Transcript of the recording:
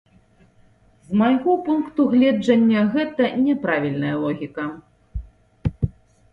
З майго пункту гледжання, гэта няправільная логіка.